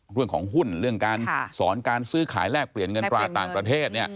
เรื่องของหุ้นเรื่องการสอนการซื้อขายแลกเปลี่ยนเงินตราต่างประเทศ